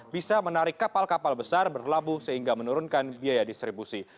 bisa menarik kapal kapal besar berlabuh sehingga menurunkan biaya distribusi